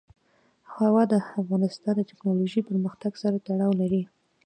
هوا د افغانستان د تکنالوژۍ پرمختګ سره تړاو لري.